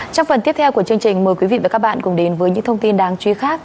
trong phần tiếp theo của chương trình mời quý vị và các bạn cùng đến với những thông tin đáng chú ý khác